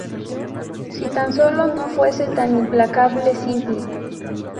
Si tan sólo no fuese tan implacablemente simple".